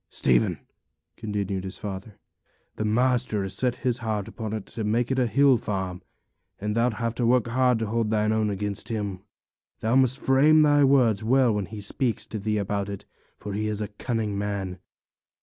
'Stephen,' continued his father, 'the master has set his heart upon it to make it a hill farm; and thou'lt have hard work to hold thy own against him. Thou must frame thy words well when he speaks to thee about it, for he's a cunning man.